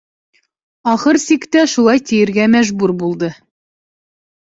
Ахыр сиктә шулай тиергә мәжбүр булды.